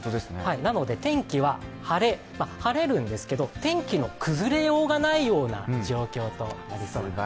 なので、天気は晴れ、晴れるんですけど天気の崩れようがないような状況となりそうですね。